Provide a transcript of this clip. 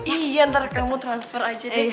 iya ntar kamu transfer aja deh